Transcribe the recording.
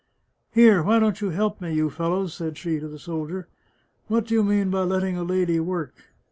" Here ! why don't you help me, you fellows ?" said she to the soldier. "What do you mean by letting a lady work